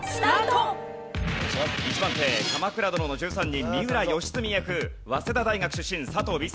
１番手『鎌倉殿の１３人』三浦義澄役早稲田大学出身佐藤Ｂ作さん。